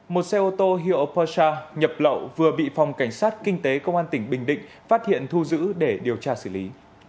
một xe ô tô hiệu persa nhập lậu vừa bị phòng cảnh sát kinh tế công an tỉnh bình định phát hiện thu giữ để điều tra xử lý